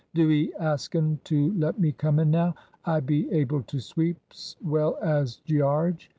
Do 'ee ask un to let me come in now! I be able to sweep 's well as Gearge.